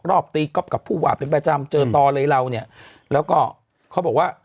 รอบตีก๊อฟกับผู้ว่าเป็นประจำเจอต่อเลยเราเนี่ยแล้วก็เขาบอกว่า